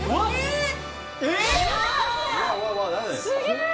すげえ！